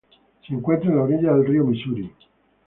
Se encuentra a la orilla del río Misuri.